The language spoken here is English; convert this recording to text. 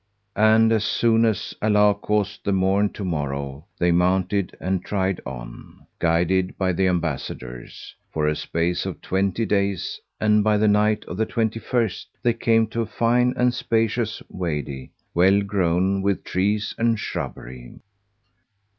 And as soon as Allah caused the morn To morrow, they mounted and hied on, guided by the Ambassadors, for a space of twenty days; and by the night of the twenty first they came to a fine and spacious Wady well grown with trees and shrubbery.